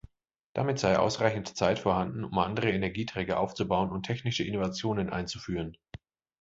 Damit sei ausreichend Zeit vorhanden, um andere Energieträger aufzubauen und technische Innovationen einzuführen.